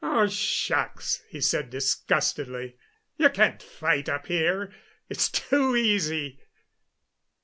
"Oh, shucks," he said disgustedly. "You can't fight up here it's too easy."